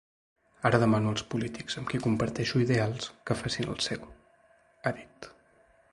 Ara demano als polítics amb qui comparteixo ideals que facin el seu, ha dit.